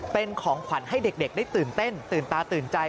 เป็นของขวัญให้เด็กได้ตื่นเต้นตื่นตาตื่นใจ